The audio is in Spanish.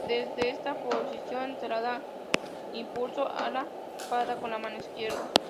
Desde esta posición se le da impulso a la espada con la mano izquierda.